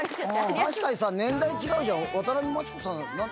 確かにさ年代違うじゃん。